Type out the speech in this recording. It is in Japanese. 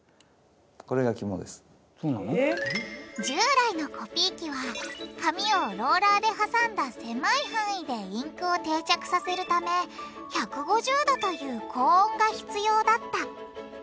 従来のコピー機は紙をローラーではさんだ狭い範囲でインクを定着させるため１５０℃という高温が必要だった。